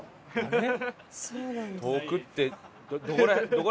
えっ！？